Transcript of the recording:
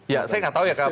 ya saya tidak tahu ya kak